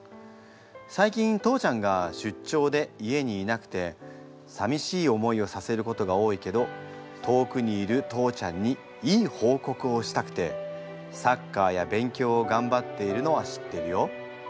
最近父ちゃんが出張で家にいなくてさみしい思いをさせることが多いけど遠くにいる父ちゃんにいい報告をしたくてサッカーや勉強をがんばっているのは知ってるよ。